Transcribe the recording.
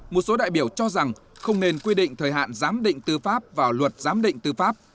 một số đại biểu cho rằng không nên quy định thời hạn giám định tư pháp vào luật giám định tư pháp